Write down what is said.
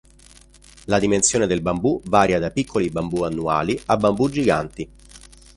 La dimensione del bambù varia da piccoli bambù annuali a bambù giganti.